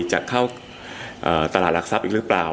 จะเข้าตลาดหลักทรัพย์อีกหรือเปล่า